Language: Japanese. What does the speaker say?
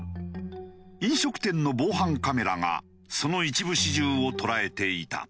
飲食店の防犯カメラがその一部始終を捉えていた。